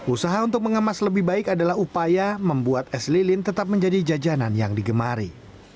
usaha untuk mengemas lebih baik adalah upaya membuat es lilin tetap menjadi jajanan yang digemari